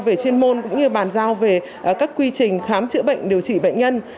về chuyên môn cũng như bàn giao về các quy trình khám chữa bệnh điều trị bệnh nhân